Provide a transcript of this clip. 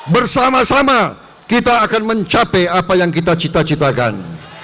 bersama sama kita akan mencapai apa yang kita cita citakan